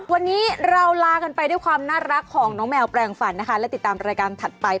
วันนี้เราลากันไปด้วยความน่ารักของน้องแมวแปลงฝันนะคะและติดตามรายการถัดไป